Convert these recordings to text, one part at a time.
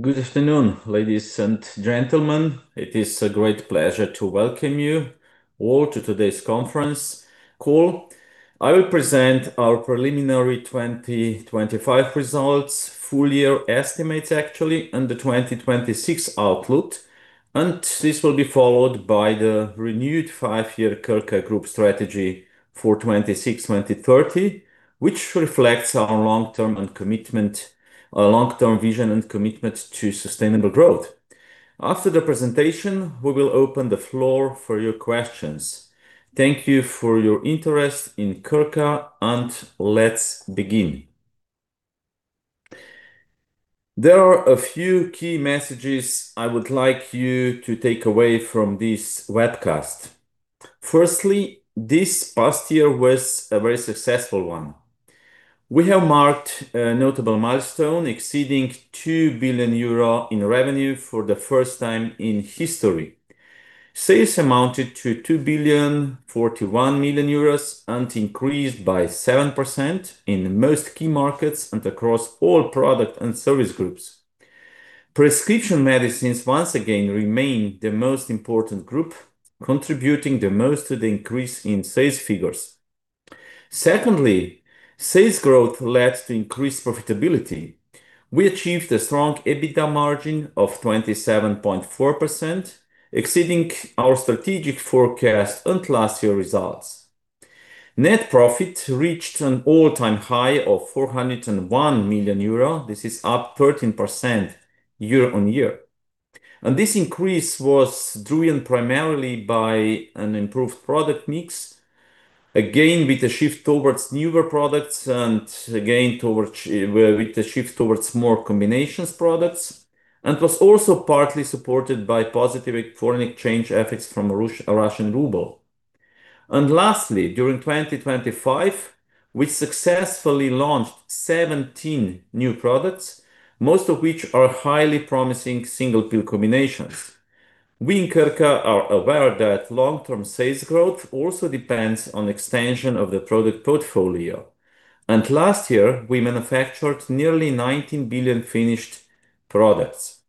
Good afternoon, ladies and gentlemen. It is a great pleasure to welcome you all to today's conference call. I will present our preliminary 2025 results, full year estimates actually, and the 2026 outlook, and this will be followed by the renewed five-year Krka Group Strategy for 2026-2030, which reflects our long-term and commitment. Our long-term vision and commitment to sustainable growth. After the presentation, we will open the floor for your questions. Thank you for your interest in Krka, and let's begin. There are a few key messages I would like you to take away from this webcast. Firstly, this past year was a very successful one. We have marked a notable milestone, exceeding 2 billion euro in revenue for the first time in history. Sales amounted to 2.041 billion and increased by 7% in most key markets and across all product and service groups. Prescription medicines, once again, remain the most important group, contributing the most to the increase in sales figures. Secondly, sales growth led to increased profitability. We achieved a strong EBITDA margin of 27.4%, exceeding our strategic forecast and last year results. Net profit reached an all-time high of 401 million euro. This is up 13% year-on-year, and this increase was driven primarily by an improved product mix, again, with a shift towards newer products and again, towards, with a shift towards more combinations products, and was also partly supported by positive foreign exchange effects from Russian ruble. And lastly, during 2025, we successfully launched 17 new products, most of which are highly promising single-pill combinations. We in Krka are aware that long-term sales growth also depends on extension of the product portfolio, and last year, we manufactured nearly 19 billion finished products.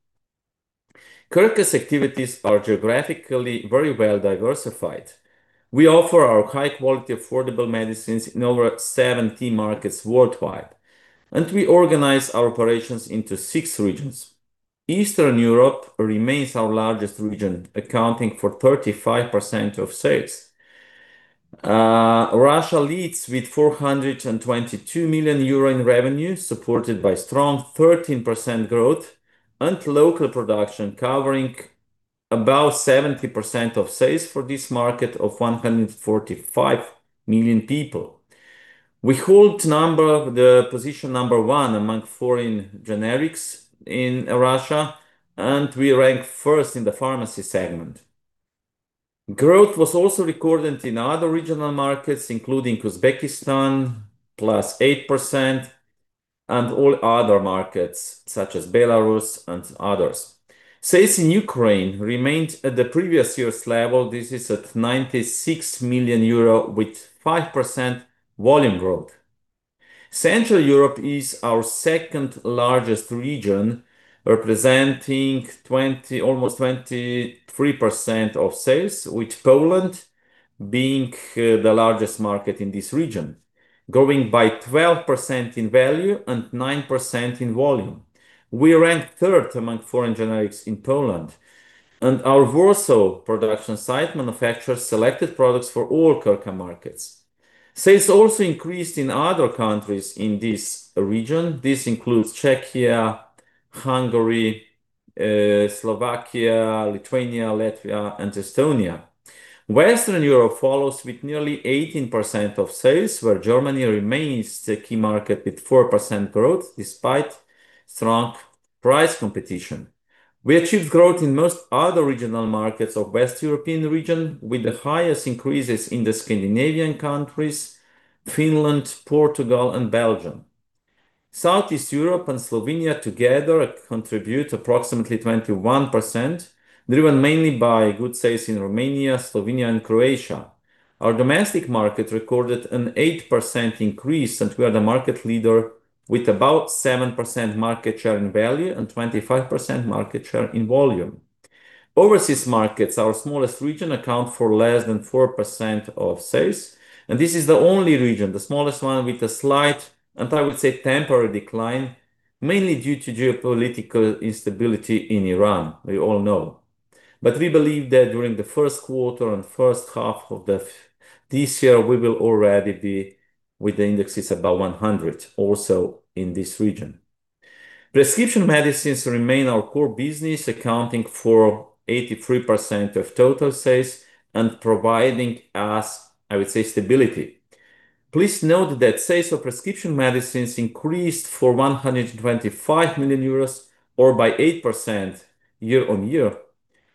Krka's activities are geographically very well diversified. We offer our high-quality, affordable medicines in over 70 markets worldwide, and we organize our operations into six regions. Eastern Europe remains our largest region, accounting for 35% of sales. Russia leads with 422 million euro in revenue, supported by strong 13% growth and local production, covering about 70% of sales for this market of 145 million people. We hold the number one position among foreign generics in Russia, and we rank first in the pharmacy segment. Growth was also recorded in other regional markets, including Uzbekistan, +8%, and all other markets, such as Belarus and others. Sales in Ukraine remained at the previous year's level. This is at 96 million euro with 5% volume growth. Central Europe is our second largest region, representing almost 23% of sales, with Poland being the largest market in this region, growing by 12% in value and 9% in volume. We rank third among foreign generics in Poland, and our Warsaw production site manufactures selected products for all Krka markets. Sales also increased in other countries in this region. This includes Czechia, Hungary, Slovakia, Lithuania, Latvia, and Estonia. Western Europe follows with nearly 18% of sales, where Germany remains the key market, with 4% growth, despite strong price competition. We achieved growth in most other regional markets of Western Europe, with the highest increases in the Scandinavian countries, Finland, Portugal, and Belgium. Southeast Europe and Slovenia together contribute approximately 21%, driven mainly by good sales in Romania, Slovenia, and Croatia. Our domestic market recorded an 8% increase, and we are the market leader with about 7% market share in value and 25% market share in volume. Overseas markets, our smallest region, account for less than 4% of sales, and this is the only region, the smallest one, with a slight, and I would say, temporary decline, mainly due to geopolitical instability in Iran, we all know. But we believe that during the first quarter and first half of this year, we will already be with the indexes above 100 also in this region. Prescription medicines remain our core business, accounting for 83% of total sales and providing us, I would say, stability. Please note that sales of prescription medicines increased by 125 million euros, or by 8% year-on-year.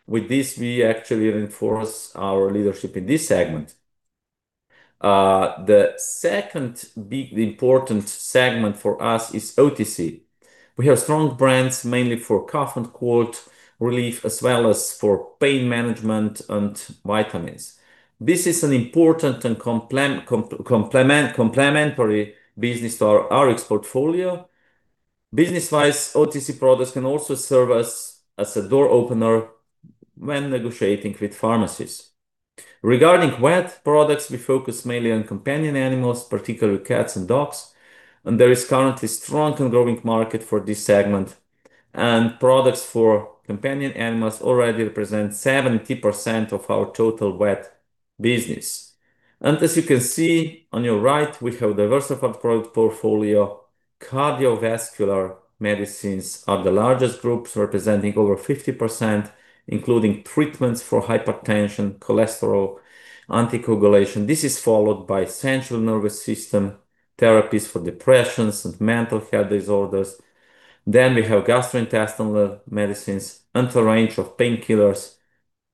With this, we actually reinforce our leadership in this segment. The second big important segment for us is OTC. We have strong brands, mainly for cough and cold relief, as well as for pain management and vitamins. This is an important and complementary business to our RX portfolio. Business-wise, OTC products can also serve as a door opener when negotiating with pharmacies. Regarding vet products, we focus mainly on companion animals, particularly cats and dogs, and there is currently strong and growing market for this segment. And products for companion animals already represent 70% of our total vet business. And as you can see on your right, we have diversified product portfolio. Cardiovascular medicines are the largest groups, representing over 50%, including treatments for hypertension, cholesterol, anticoagulation. This is followed by central nervous system, therapies for depressions and mental health disorders. Then we have gastrointestinal medicines and a range of painkillers,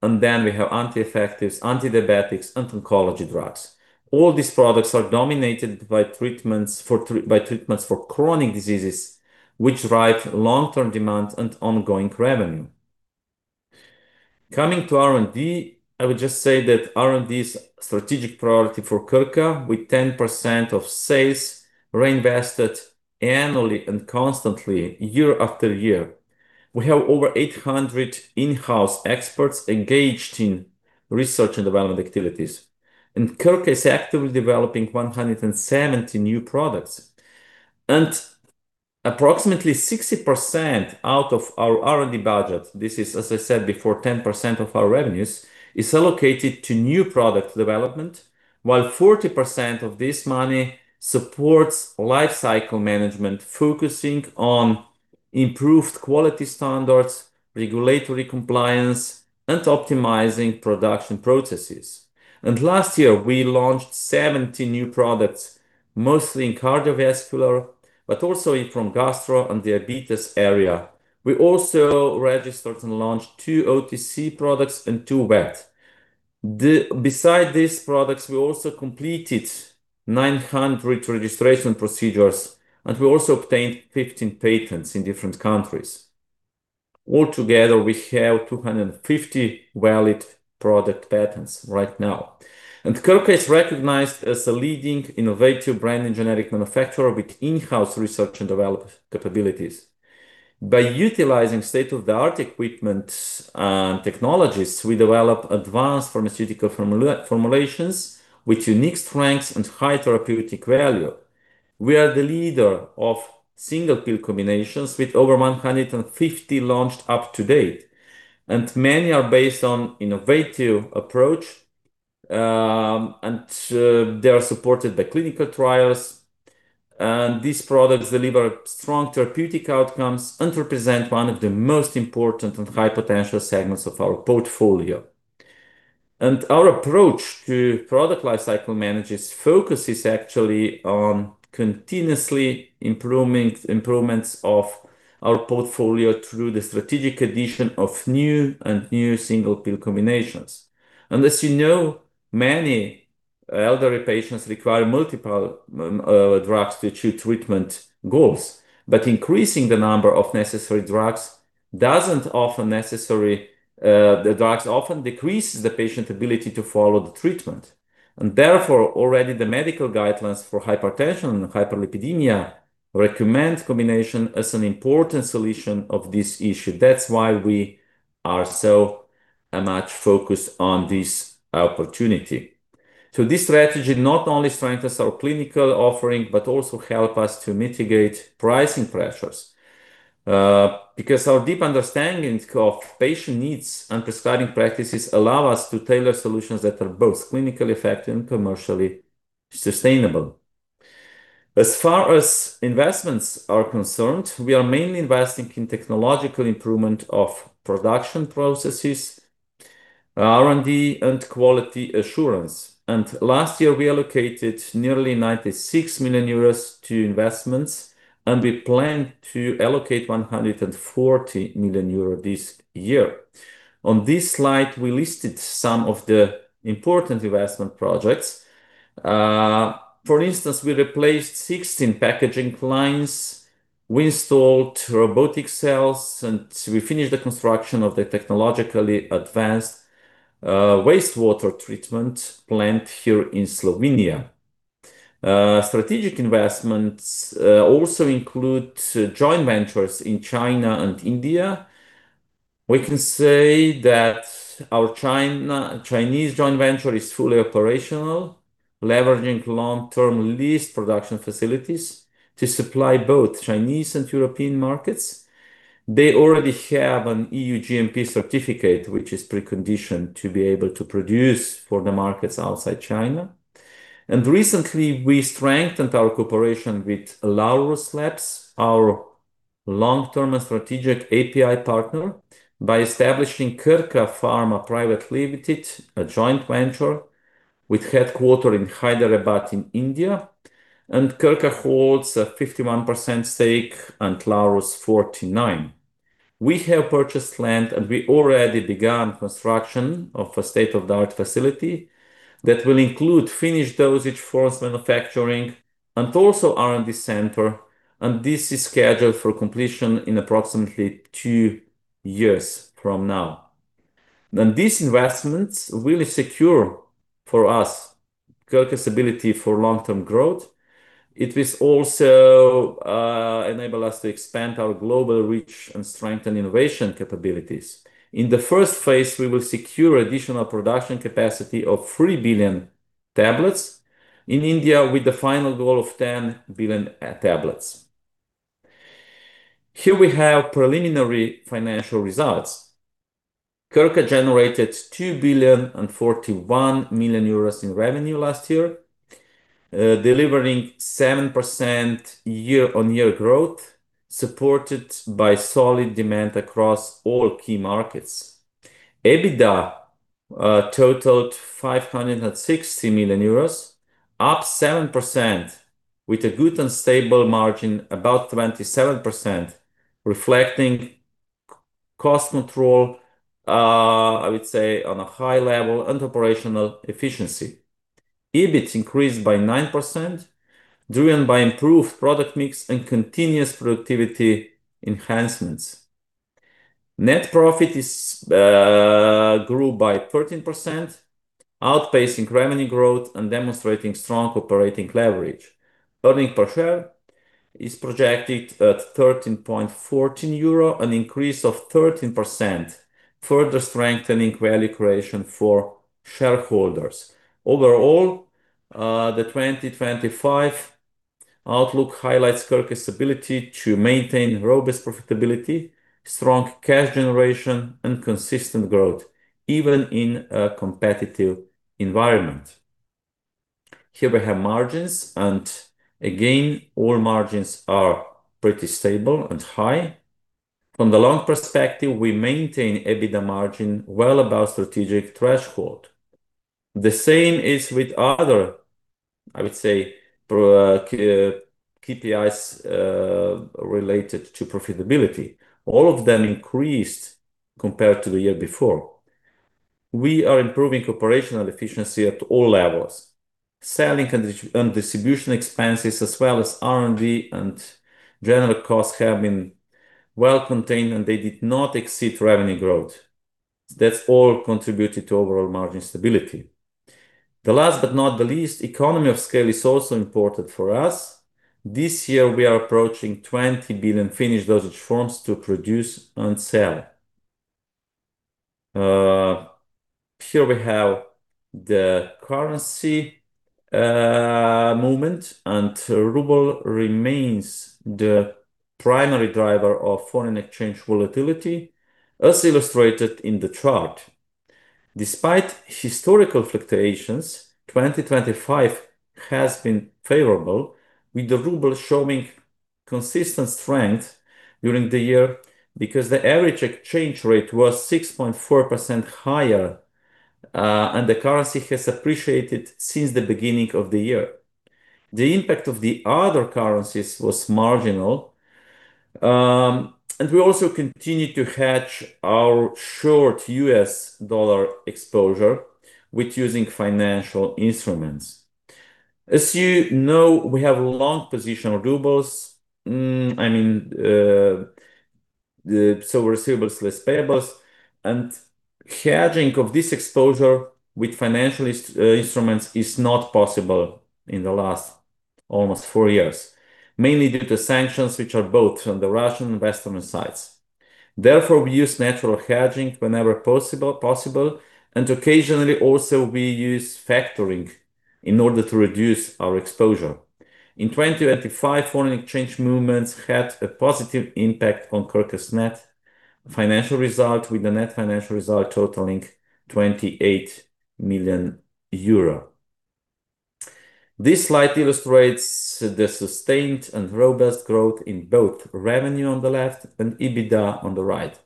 and then we have anti-infectives, antidiabetics, and oncology drugs. All these products are dominated by treatments for treatments for chronic diseases, which drive long-term demand and ongoing revenue. Coming to R&D, I would just say that R&D is a strategic priority for Krka, with 10% of sales reinvested annually and constantly year after year. We have over 800 in-house experts engaged in research and development activities, and Krka is actively developing 170 new products. Approximately 60% out of our R&D budget, this is, as I said before, 10% of our revenues, is allocated to new product development, while 40% of this money supports life cycle management, focusing on improved quality standards, regulatory compliance, and optimizing production processes. Last year, we launched 70 new products, mostly in cardiovascular, but also in gastro and diabetes area. We also registered and launched two OTC products and two vet. Beside these products, we also completed 900 registration procedures, and we also obtained 15 patents in different countries. Altogether, we have 250 valid product patents right now, and Krka is recognized as a leading innovative brand and generic manufacturer with in-house research and development capabilities. By utilizing state-of-the-art equipment and technologies, we develop advanced pharmaceutical formulations with unique strengths and high therapeutic value. We are the leader of single-pill combinations, with over 150 launched to date, and many are based on innovative approach, and they are supported by clinical trials. These products deliver strong therapeutic outcomes and represent one of the most important and high-potential segments of our portfolio. Our approach to product lifecycle management's focus is actually on continuously improving improvements of our portfolio through the strategic addition of new and new single-pill combinations. As you know, many elderly patients require multiple drugs to achieve treatment goals, but increasing the number of necessary drugs doesn't often necessary. The drugs often decreases the patient ability to follow the treatment, and therefore, already the medical guidelines for hypertension and hyperlipidemia recommend combination as an important solution of this issue. That's why we are so much focused on this opportunity. So this strategy not only strengthens our clinical offering, but also help us to mitigate pricing pressures, because our deep understanding of patient needs and prescribing practices allow us to tailor solutions that are both clinically effective and commercially sustainable. As far as investments are concerned, we are mainly investing in technological improvement of production processes, R&D, and quality assurance. Last year, we allocated nearly 96 million euros to investments, and we plan to allocate 140 million euros this year. On this slide, we listed some of the important investment projects. For instance, we replaced 16 packaging lines, we installed robotic cells, and we finished the construction of the technologically advanced wastewater treatment plant here in Slovenia. Strategic investments also include joint ventures in China and India. We can say that our Chinese joint venture is fully operational, leveraging long-term lease production facilities to supply both Chinese and European markets. They already have an EU GMP certificate, which is precondition to be able to produce for the markets outside China. And recently, we strengthened our cooperation with Laurus Labs, our long-term and strategic API partner, by establishing Krka Pharma Private Limited, a joint venture with headquarters in Hyderabad in India, and Krka holds a 51% stake and Laurus, 49%. We have purchased land, and we already begun construction of a state-of-the-art facility that will include finished dosage form manufacturing and also R&D center, and this is scheduled for completion in approximately two years from now. Then these investments will secure for us Krka's ability for long-term growth. It will also enable us to expand our global reach and strengthen innovation capabilities. In the first phase, we will secure additional production capacity of 3 billion tablets in India, with the final goal of 10 billion tablets. Here we have preliminary financial results. Krka generated EUR 2.041 billion in revenue last year, delivering 7% year-on-year growth, supported by solid demand across all key markets. EBITDA totaled 560 million euros, up 7%, with a good and stable margin, about 27%, reflecting cost control, I would say on a high level, and operational efficiency. EBIT increased by 9%, driven by improved product mix and continuous productivity enhancements. Net profit grew by 13%, outpacing revenue growth and demonstrating strong operating leverage. Earnings per share is projected at 13.14 euro, an increase of 13%, further strengthening value creation for shareholders. Overall, the 2025 outlook highlights Krka's ability to maintain robust profitability, strong cash generation, and consistent growth, even in a competitive environment. Here we have margins, and again, all margins are pretty stable and high. From the long perspective, we maintain EBITDA margin well above strategic threshold. The same is with other, I would say, KPIs related to profitability. All of them increased compared to the year before. We are improving operational efficiency at all levels. Selling and distribution expenses, as well as R&D and general costs, have been well contained, and they did not exceed revenue growth. That's all contributed to overall margin stability. The last but not the least, economy of scale is also important for us. This year, we are approaching 20 billion finished dosage forms to produce and sell. Here we have the currency movement, and ruble remains the primary driver of foreign exchange volatility, as illustrated in the chart. Despite historical fluctuations, 2025 has been favorable, with the ruble showing consistent strength during the year, because the average exchange rate was 6.4% higher, and the currency has appreciated since the beginning of the year. The impact of the other currencies was marginal, and we also continued to hedge our short U.S. dollar exposure with using financial instruments. As you know, we have a long position on rubles, I mean, the so receivables less payables, and hedging of this exposure with financial instruments is not possible in the last almost four years, mainly due to sanctions, which are both on the Russian and Western sides. Therefore, we use natural hedging whenever possible, and occasionally also we use factoring in order to reduce our exposure. In 2025, foreign exchange movements had a positive impact on Krka's net financial result, with the net financial result totaling 28 million euro. This slide illustrates the sustained and robust growth in both revenue on the left and EBITDA on the right.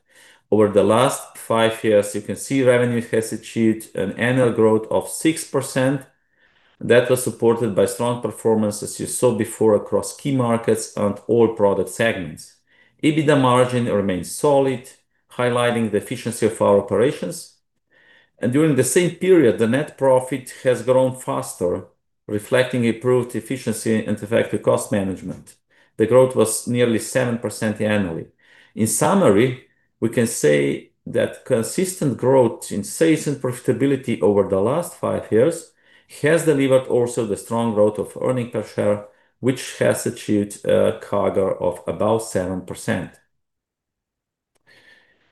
Over the last five years, you can see revenue has achieved an annual growth of 6%. That was supported by strong performance, as you saw before, across key markets and all product segments. EBITDA margin remains solid, highlighting the efficiency of our operations, and during the same period, the net profit has grown faster, reflecting improved efficiency and effective cost management. The growth was nearly 7% annually. In summary, we can say that consistent growth in sales and profitability over the last five years has delivered also the strong growth of earnings per share, which has achieved a CAGR of about 7%.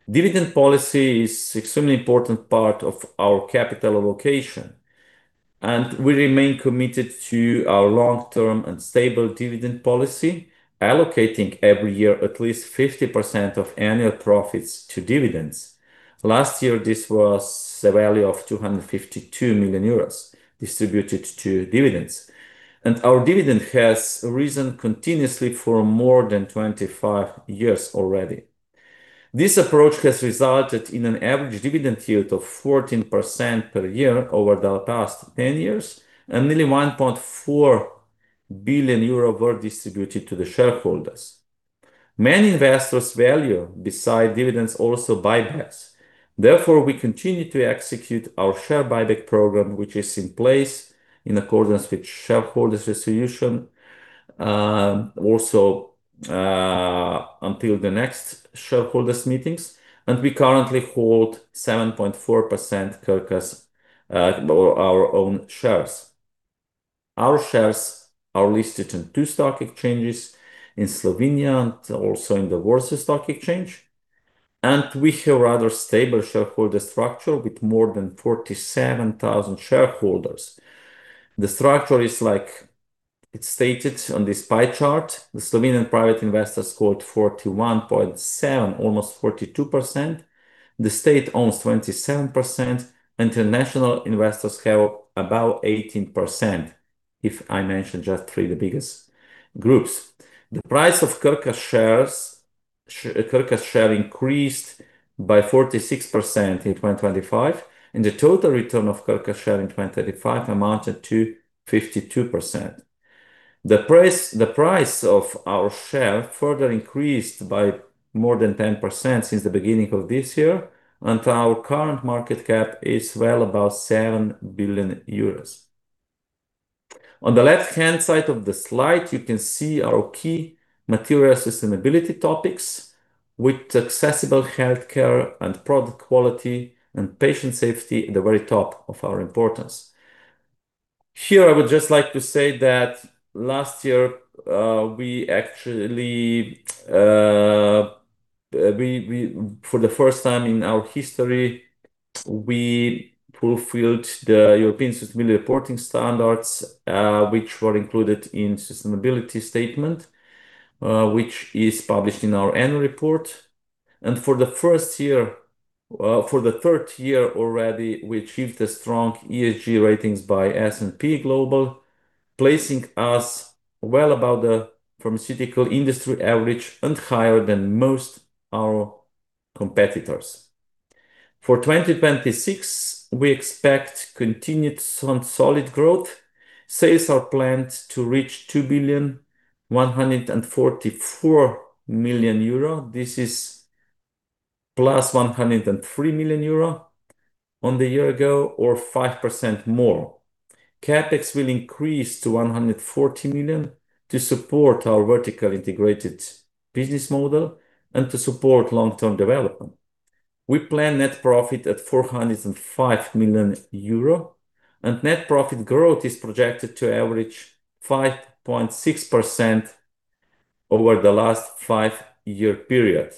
Dividend policy is extremely important part of our capital allocation, and we remain committed to our long-term and stable dividend policy, allocating every year at least 50% of annual profits to dividends. Last year, this was a value of 252 million euros distributed to dividends, and our dividend has risen continuously for more than 25 years already. This approach has resulted in an average dividend yield of 14% per year over the past 10 years, and nearly 1.4 billion euro were distributed to the shareholders. Many investors value, beside dividends, also buybacks. Therefore, we continue to execute our share buyback program, which is in place in accordance with shareholders' resolution until the next shareholders' meetings, and we currently hold 7.4% Krka, or our own shares. Our shares are listed on two stock exchanges, in Slovenia and also in the Warsaw Stock Exchange, and we have rather stable shareholder structure, with more than 47,000 shareholders. The structure is like it's stated on this pie chart. The Slovenian private investors hold 41.7, almost 42%. The state owns 27%, international investors have about 18%, if I mention just three of the biggest groups. The price of Krka shares, Krka share increased by 46% in 2025, and the total return of Krka share in 2025 amounted to 52%. The price, the price of our share further increased by more than 10% since the beginning of this year, and our current market cap is well above 7 billion euros. On the left-hand side of the slide, you can see our key material sustainability topics, with accessible healthcare and product quality and patient safety at the very top of our importance. Here, I would just like to say that last year, we actually, for the first time in our history, we fulfilled the European Sustainability Reporting Standards, which were included in sustainability statement, which is published in our annual report. And for the third year already, we achieved a strong ESG ratings by S&P Global, placing us well above the pharmaceutical industry average and higher than most our competitors. For 2026, we expect continued some solid growth. Sales are planned to reach 2,144 million euro. This is +103 million euro on the year ago, or 5% more. CapEx will increase to 140 million to support our vertically integrated business model and to support long-term development. We plan net profit at 405 million euro, and net profit growth is projected to average 5.6% over the last five-year period.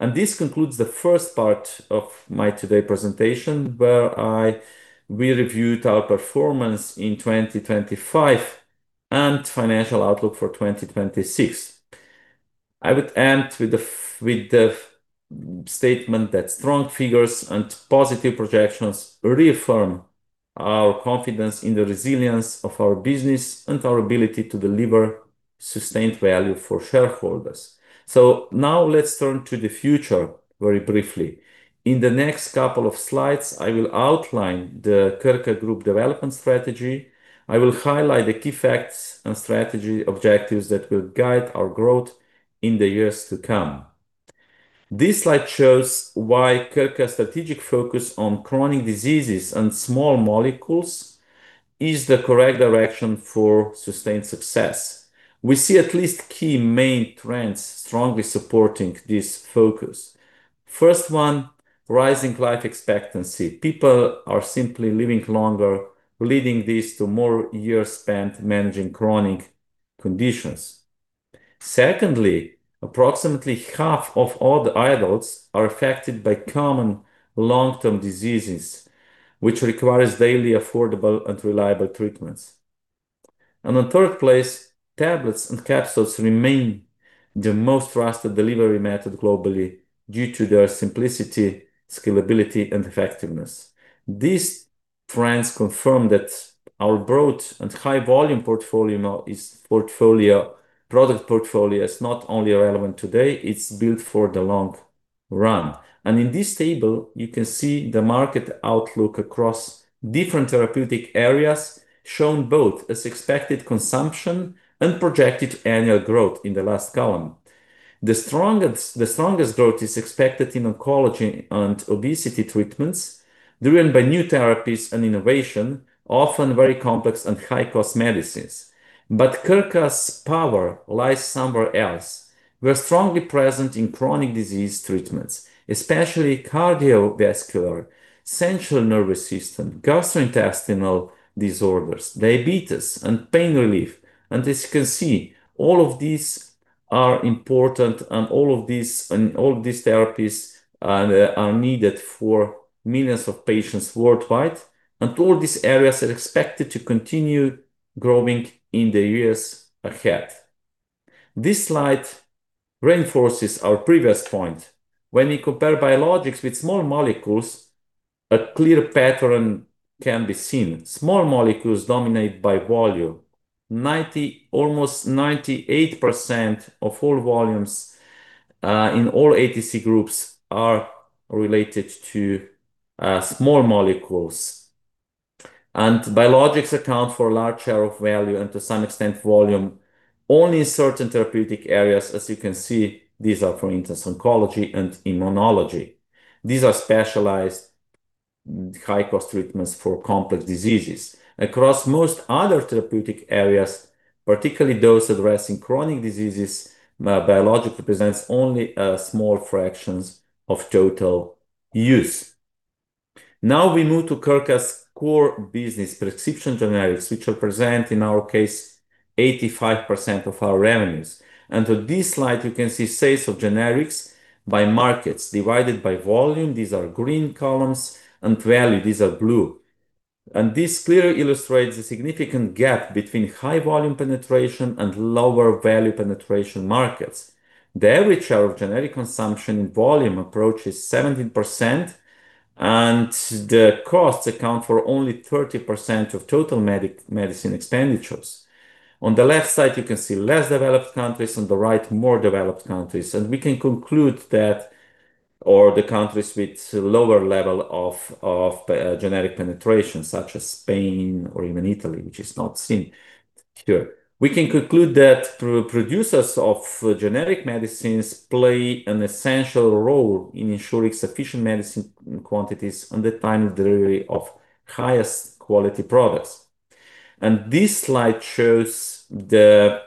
This concludes the first part of my today presentation, where we reviewed our performance in 2025 and financial outlook for 2026. I would end with the statement that strong figures and positive projections reaffirm our confidence in the resilience of our business and our ability to deliver sustained value for shareholders. So now let's turn to the future very briefly. In the next couple of slides, I will outline the Krka Group Development Strategy. I will highlight the key facts and strategy objectives that will guide our growth in the years to come. This slide shows why Krka's strategic focus on chronic diseases and small molecules is the correct direction for sustained success. We see at least three key main trends strongly supporting this focus. First one, rising life expectancy. People are simply living longer, leading to more years spent managing chronic conditions. Secondly, approximately half of all the adults are affected by common long-term diseases, which requires daily, affordable, and reliable treatments. And on third place, tablets and capsules remain the most trusted delivery method globally due to their simplicity, scalability, and effectiveness. These trends confirm that our broad and high volume portfolio is—portfolio—product portfolio is not only relevant today, it's built for the long run. And in this table, you can see the market outlook across different therapeutic areas, shown both as expected consumption and projected annual growth in the last column. The strongest, the strongest growth is expected in oncology and obesity treatments, driven by new therapies and innovation, often very complex and high-cost medicines. But Krka's power lies somewhere else. We're strongly present in chronic disease treatments, especially cardiovascular, central nervous system, gastrointestinal disorders, diabetes, and pain relief. And as you can see, all of these are important, and all of these, and all of these therapies, are needed for millions of patients worldwide, and all these areas are expected to continue growing in the years ahead. This slide reinforces our previous point. When we compare biologics with small molecules, a clear pattern can be seen. Small molecules dominate by volume. Almost 98% of all volumes in all ATC groups are related to small molecules. And biologics account for a large share of value, and to some extent, volume only in certain therapeutic areas. As you can see, these are, for instance, oncology and immunology. These are high-cost treatments for complex diseases. Across most other therapeutic areas, particularly those addressing chronic diseases, biologics represents only small fractions of total use. Now we move to Krka's core business, prescription generics, which represent, in our case, 85% of our revenues. And on this slide, you can see sales of generics by markets, divided by volume, these are green columns, and value, these are blue. And this clearly illustrates the significant gap between high volume penetration and lower value penetration markets. The average share of generic consumption in volume approaches 17%, and the costs account for only 30% of total medicine expenditures. On the left side, you can see less developed countries, on the right, more developed countries. And we can conclude that, or the countries with lower level of, of, generic penetration, such as Spain or even Italy, which is not seen here. We can conclude that producers of generic medicines play an essential role in ensuring sufficient medicine quantities and the timely delivery of highest quality products. And this slide shows the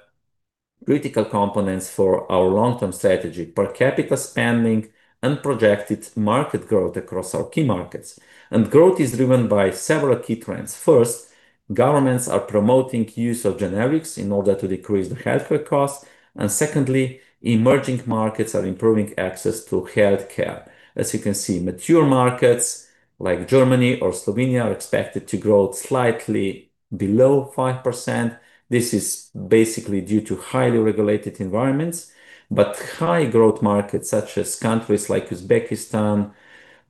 critical components for our long-term strategy: per capita spending and projected market growth across our key markets. And growth is driven by several key trends. First, governments are promoting use of generics in order to decrease the healthcare costs. And secondly, emerging markets are improving access to healthcare. As you can see, mature markets like Germany or Slovenia are expected to grow slightly below 5%. This is basically due to highly regulated environments. But high growth markets, such as countries like Uzbekistan,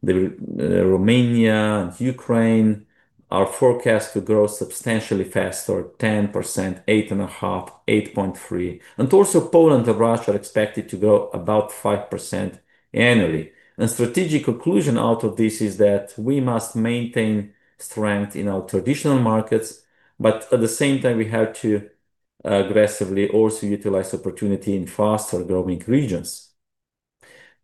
Romania, and Ukraine, are forecast to grow substantially faster, 10%, 8.5%, 8.3%. And also, Poland and Russia are expected to grow about 5% annually. And strategic conclusion out of this is that we must maintain strength in our traditional markets, but at the same time, we have to aggressively also utilize opportunity in faster growing regions.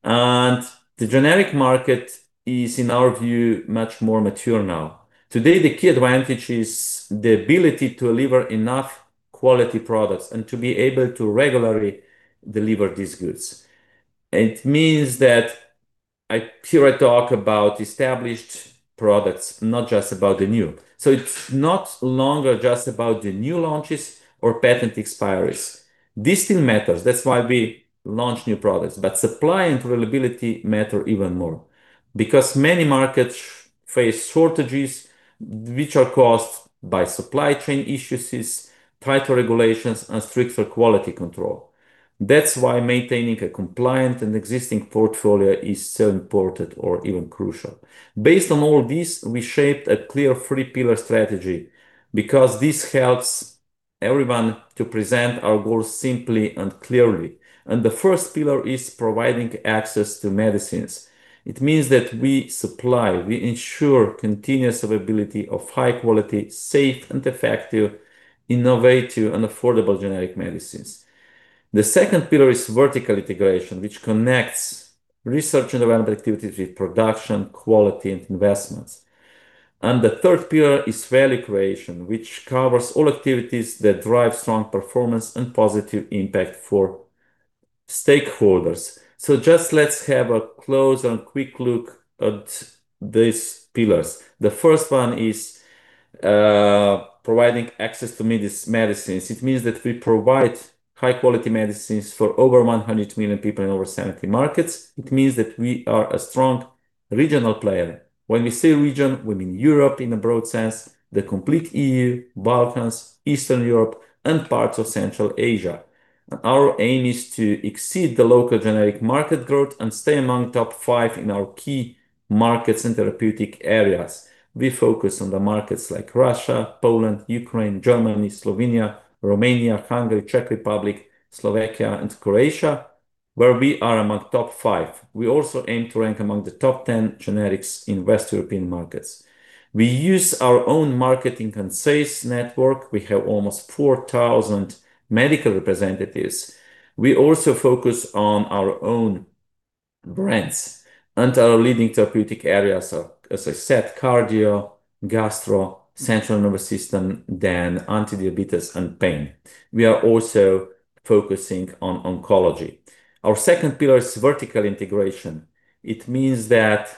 And the generic market is, in our view, much more mature now. Today, the key advantage is the ability to deliver enough quality products and to be able to regularly deliver these goods. It means that here I talk about established products, not just about the new. So it's no longer just about the new launches or patent expiries. This still matters, that's why we launch new products, but supply and availability matter even more. Because many markets face shortages, which are caused by supply chain issues, tighter regulations, and stricter quality control. That's why maintaining a compliant and existing portfolio is so important or even crucial. Based on all this, we shaped a clear three-pillar strategy, because this helps everyone to present our goals simply and clearly. And the first pillar is providing access to medicines. It means that we supply, we ensure continuous availability of high quality, safe and effective, innovative, and affordable generic medicines. The second pillar is vertical integration, which connects research and development activities with production, quality, and investments. The third pillar is value creation, which covers all activities that drive strong performance and positive impact for stakeholders. So just let's have a closer and quick look at these pillars. The first one is providing access to medicines. It means that we provide high-quality medicines for over 100 million people in over 70 markets. It means that we are a strong regional player. When we say region, we mean Europe in a broad sense, the complete EU, Balkans, Eastern Europe, and parts of Central Asia. Our aim is to exceed the local generic market growth and stay among top five in our key markets and therapeutic areas. We focus on the markets like Russia, Poland, Ukraine, Germany, Slovenia, Romania, Hungary, Czech Republic, Slovakia, and Croatia, where we are among top five. We also aim to rank among the top ten generics in West European markets. We use our own marketing and sales network. We have almost 4,000 medical representatives. We also focus on our own brands and our leading therapeutic areas are, as I said, cardio, gastro, central nervous system, then anti-diabetes and pain. We are also focusing on oncology. Our second pillar is vertical integration. It means that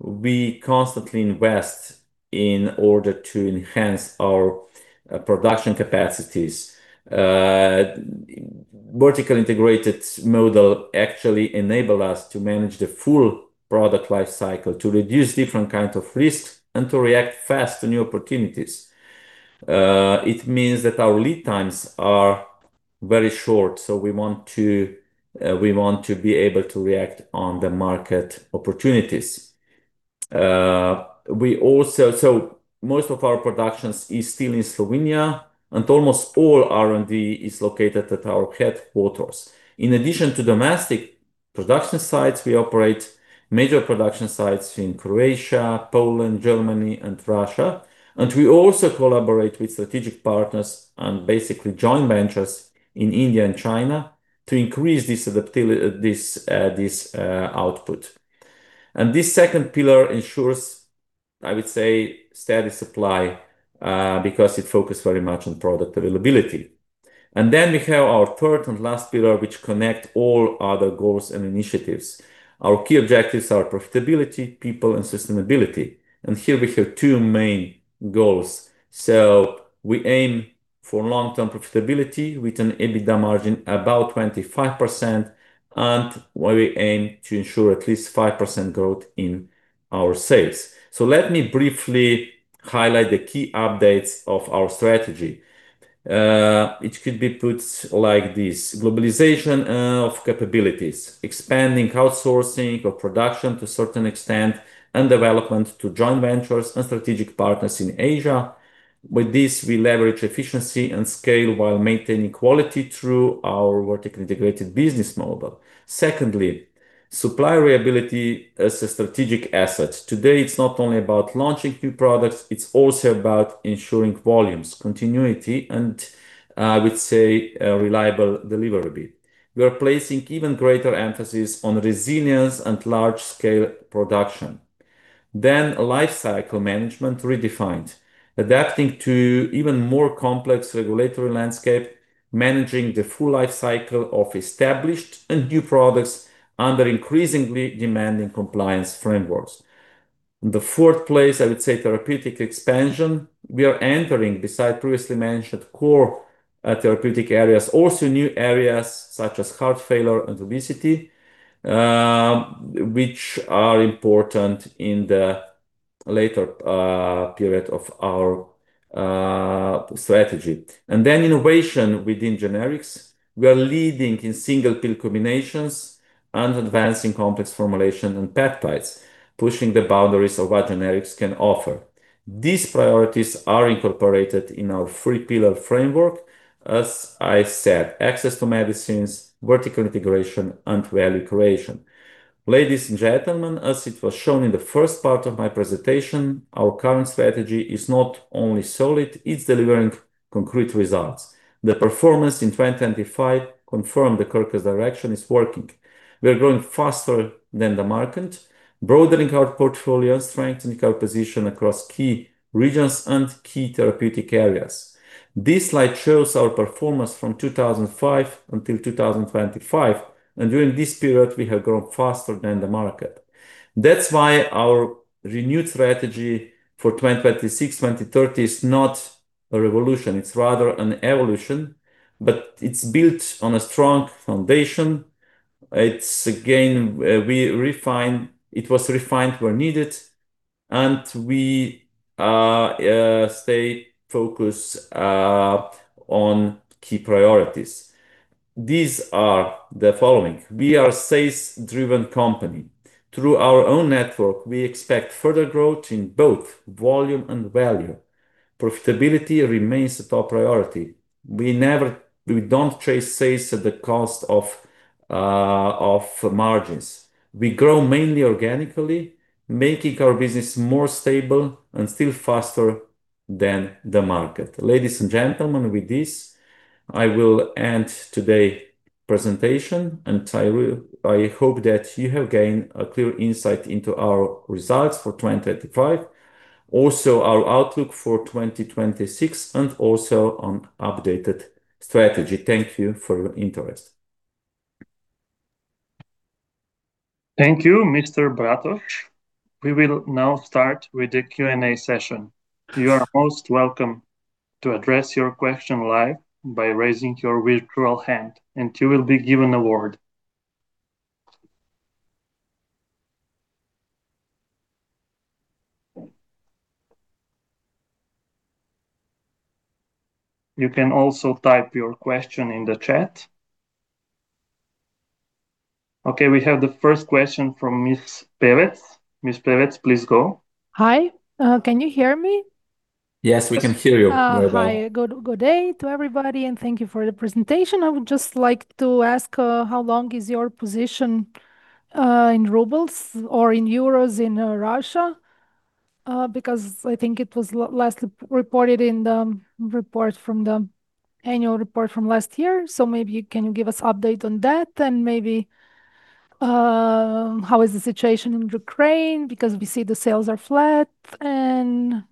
we constantly invest in order to enhance our production capacities. Vertical integrated model actually enable us to manage the full product life cycle, to reduce different kinds of risks, and to react fast to new opportunities. It means that our lead times are very short, so we want to, we want to be able to react on the market opportunities. We also. So most of our productions is still in Slovenia, and almost all R&D is located at our headquarters. In addition to domestic production sites, we operate major production sites in Croatia, Poland, Germany, and Russia, and we also collaborate with strategic partners and basically joint ventures in India and China to increase this output. And this second pillar ensures, I would say, steady supply, because it focus very much on product availability. And then we have our third and last pillar, which connect all other goals and initiatives. Our key objectives are profitability, people, and sustainability, and here we have two main goals. So we aim for long-term profitability with an EBITDA margin about 25%, and where we aim to ensure at least 5% growth in our sales. So let me briefly highlight the key updates of our strategy. It could be put like this: globalization of capabilities, expanding outsourcing of production to a certain extent, and development to joint ventures and strategic partners in Asia. With this, we leverage efficiency and scale while maintaining quality through our vertically integrated business model. Secondly, supply reliability as a strategic asset. Today, it's not only about launching new products, it's also about ensuring volumes, continuity, and, I would say, a reliable deliverability. We are placing even greater emphasis on resilience and large-scale production. Then life cycle management redefined, adapting to even more complex regulatory landscape, managing the full life cycle of established and new products under increasingly demanding compliance frameworks. In the fourth place, I would say therapeutic expansion. We are entering, beside previously mentioned core, therapeutic areas, also new areas such as heart failure and obesity, which are important in the later, period of our, strategy. And then innovation within generics. We are leading in single-pill combinations and advancing complex formulation and peptides, pushing the boundaries of what generics can offer. These priorities are incorporated in our three-pillar framework. As I said, access to medicines, vertical integration, and value creation. Ladies and gentlemen, as it was shown in the first part of my presentation, our current strategy is not only solid, it's delivering concrete results. The performance in 2025 confirmed the Krka's direction is working. We are growing faster than the market, broadening our portfolio, strengthening our position across key regions and key therapeutic areas. This slide shows our performance from 2005 until 2025, and during this period, we have grown faster than the market. That's why our renewed strategy for 2026-2030 is not a revolution. It's rather an evolution, but it's built on a strong foundation. It's again. It was refined where needed, and we stay focused on key priorities. These are the following: We are a sales-driven company. Through our own network, we expect further growth in both volume and value. Profitability remains a top priority. We never- we don't chase sales at the cost of margins. We grow mainly organically, making our business more stable and still faster than the market. Ladies and gentlemen, with this, I will end today's presentation, and I will—I hope that you have gained a clear insight into our results for 2025, also our outlook for 2026, and also on updated strategy. Thank you for your interest. Thank you, Mr. Bratož. We will now start with the Q&A session. You are most welcome to address your question live by raising your virtual hand, and you will be given a word. You can also type your question in the chat. Okay, we have the first question from Ms. Pevec. Ms. Pevec, please go. Hi, can you hear me? Yes, we can hear you very well. Hi, good, good day to everybody, and thank you for the presentation. I would just like to ask how long is your position in rubles or in euros in Russia? Because I think it was lastly reported in the report from the annual report from last year. So maybe can you give us update on that, and maybe how is the situation in Ukraine? Because we see the sales are flat and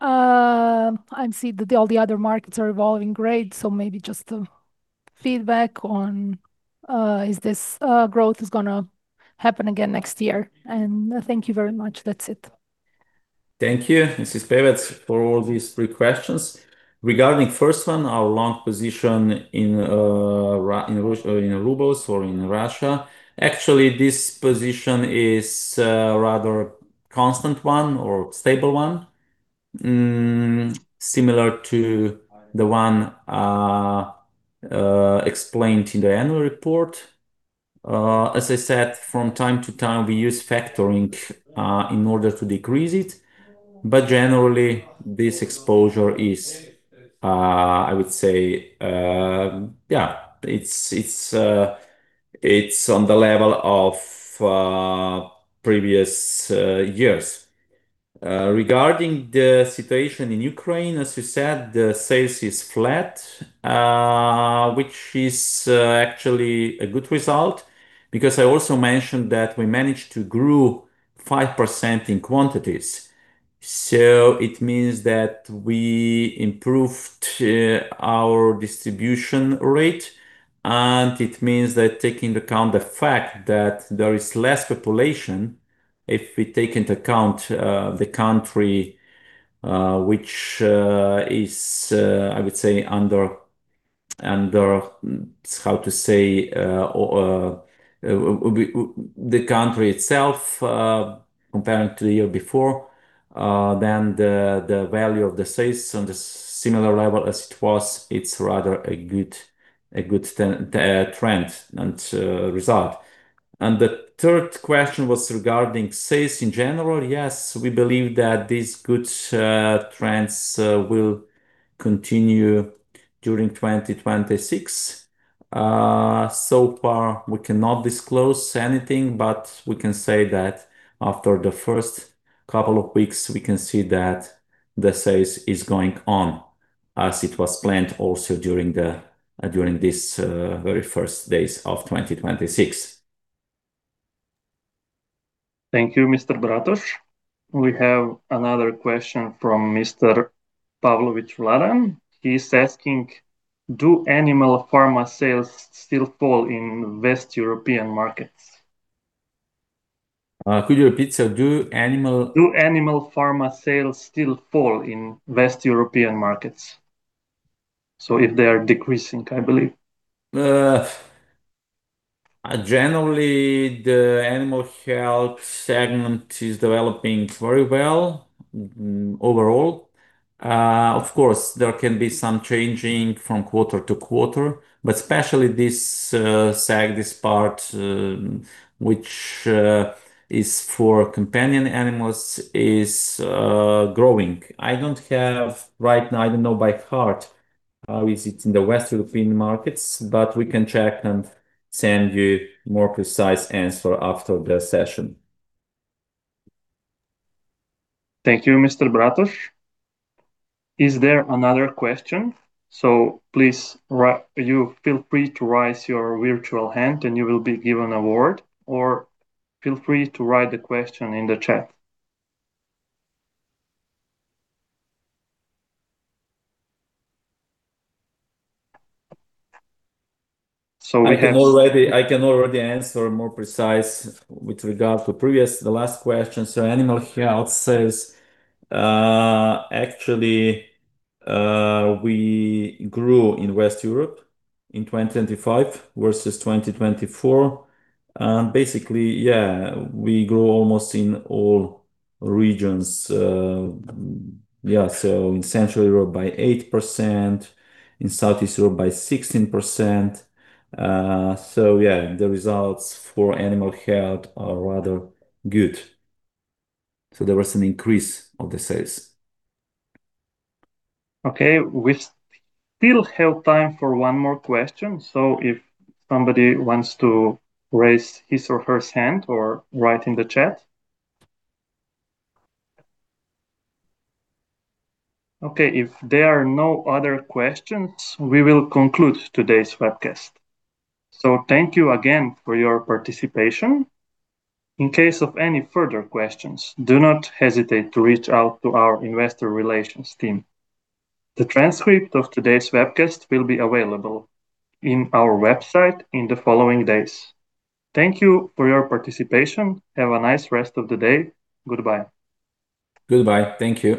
I see that all the other markets are evolving great, so maybe just a feedback on is this growth is gonna happen again next year. And thank you very much. That's it. Thank you, Ms. Pevec, for all these three questions. Regarding first one, our long position in rubles or in Russia, actually, this position is rather constant one or stable one, similar to the one explained in the annual report. As I said, from time to time, we use factoring in order to decrease it, but generally, this exposure is, I would say, yeah, it's on the level of previous years. Regarding the situation in Ukraine, as you said, the sales is flat, which is actually a good result, because I also mentioned that we managed to grow 5% in quantities. So it means that we improved our distribution rate, and it means that taking into account the fact that there is less population, if we take into account the country, which is, I would say under, how to say, the country itself, comparing to the year before, then the value of the sales on the similar level as it was. It's rather a good trend and result. The third question was regarding sales in general. Yes, we believe that these good trends will continue during 2026. So far, we cannot disclose anything, but we can say that after the first couple of weeks, we can see that the sales is going on as it was planned also during this very first days of 2026. Thank you, Mr. Bratož. We have another question from Mr. Pavlović Vladan. He's asking, "Do animal pharma sales still fall in West European markets? Could you repeat, sir? Do animal- Do animal pharma sales still fall in West European markets? So if they are decreasing, I believe. Generally, the animal health segment is developing very well overall. Of course, there can be some changing from quarter to quarter, but especially this, this part, which is for companion animals, is growing. I don't have... Right now, I don't know by heart how it is in the West European markets, but we can check and send you more precise answer after the session. Thank you, Mr. Bratož. Is there another question? So please, you feel free to raise your virtual hand, and you will be given a word, or feel free to write the question in the chat. So we have- I can already, I can already answer more precise with regards to previous, the last question. So animal health says, actually, we grew in Western Europe in 2025 versus 2024, and basically, yeah, we grew almost in all regions. Yeah, so in Central Europe by 8%, in Southeast Europe by 16%. So yeah, the results for animal health are rather good. So there was an increase of the sales. Okay, we still have time for one more question, so if somebody wants to raise his or her hand or write in the chat. Okay, if there are no other questions, we will conclude today's webcast. Thank you again for your participation. In case of any further questions, do not hesitate to reach out to our investor relations team. The transcript of today's webcast will be available in our website in the following days. Thank you for your participation. Have a nice rest of the day. Goodbye. Goodbye. Thank you.